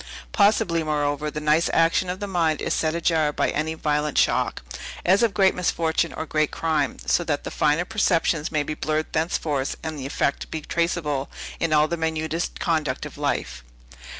Possibly, moreover, the nice action of the mind is set ajar by any violent shock, as of great misfortune or great crime, so that the finer perceptions may be blurred thenceforth, and the effect be traceable in all the minutest conduct of life.